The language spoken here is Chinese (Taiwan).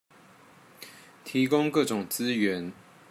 提供各種資源